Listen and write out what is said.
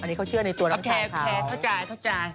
อันนี้เขาเชื่อในตัวรักษาเท้าโอเคโอเคเข้าใจ